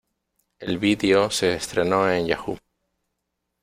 El vídeo se estrenó en Yahoo!